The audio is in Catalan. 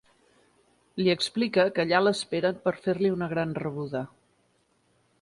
Li explica que allà l'esperen per fer-li una gran rebuda.